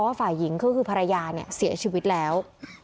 ว่าฝ่ายหญิงคือภรรยาเสียชีวิตแล้ว